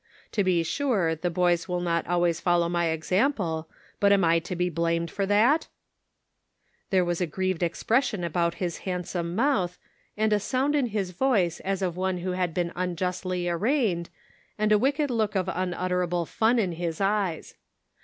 To be sure the boys will not always follow my example ; but am I to be blamed for that ?" There was a grieved expression about his handsome mouth, and a sound in his voice as of one who had been unjustly arraigned, and a wicked look of unutterable fun in his eyes.